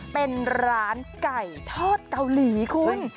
เป็นร้านไก่ทอดเกาหลีคุณ